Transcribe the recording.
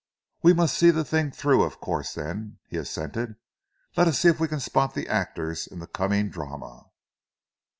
"We must see the thing through, of course, then," he assented. "Let us see if we can spot the actors in the coming drama."